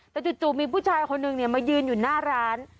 แต่จู่มีผู้ชายคนนึงมายืนอยู่หน้าร้าน